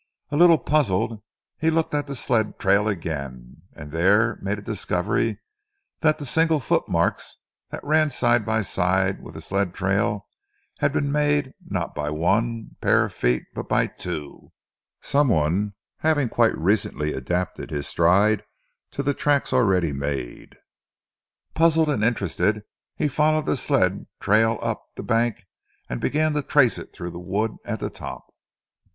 A little puzzled he looked at the sled trail again, and there made the discovery that the single footmarks that ran side by side with the sled trail, had been made not by one pair of feet but by two, some one having quite recently adapted his stride to the tracks already made. Puzzled and interested he followed the sled trail up the bank and began to trace it through the wood at the top.